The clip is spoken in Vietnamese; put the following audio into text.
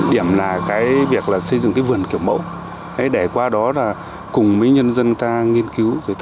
điểm là việc xây dựng vườn kiểu mẫu để qua đó cùng với nhân dân ta nghiên cứu